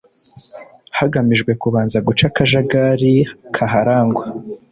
hagamijwe kubanza guca akajagari kaharangwa